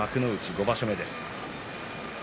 ５場所目です。